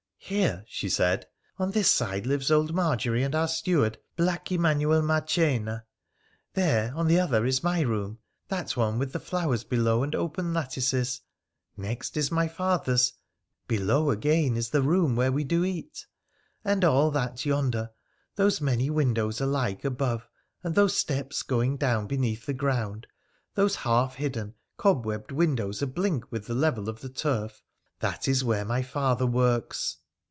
' Here,' she said, ' on this side lives old Margery and our steward, black Emanuel Marchena ; there, on the other, is my room — that one with the flowers below and open lattices. Next is my father's ; below, again, is the room where we do eat , and all that yonder — those many windows alike above, and those steps going down beneath the ground — those half hidden cobwebbed windows ablink with the level of the turf — that is where my father works.'